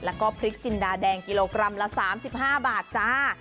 แล้วก็พริกจินดาแดงกิโลกรัมละ๓๕บาทจ้า